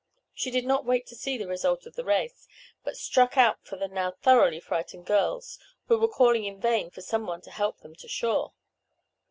She did not wait to see the result of the race, but struck out for the now thoroughly frightened girls, who were calling in vain for some one to help them to shore.